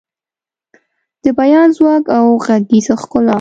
د بیان ځواک او غږیز ښکلا